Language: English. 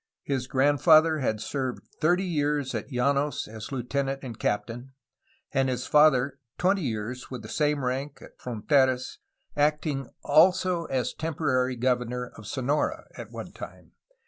His grandfather had served thirty years at Janos as lieutenant and captain, and his father twenty years with the same rank at Fronteras, acting also as temporary governor of Sonora at one time.